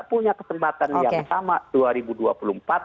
punya kesempatan yang sama dua ribu dua puluh empat